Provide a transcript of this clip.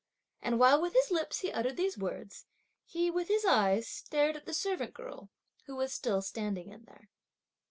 and while with his lips he uttered these words, he, with his eyes, stared at the servant girl, who was still standing in there.